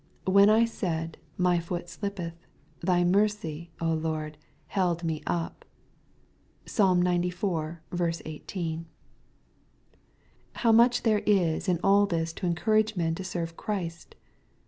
" When I said, my foot slip ^jf)eth, thy mercy, O Lord, held me up.*' (Psal. xciv. 18.) How much there is in all this to encourage men to serve Christ